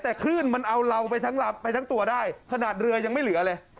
แต่ขึ้นมันเอาเราไปทั้งตัวได้ขนาดเรือยังไม่เหลือเลย